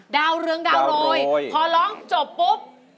ดาวเรืองดาวโรยพอร้องจบปุ๊บ